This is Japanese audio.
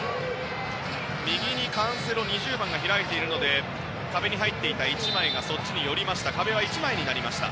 右にカンセロが開いているので壁に入っていた１枚がそちらに寄りました。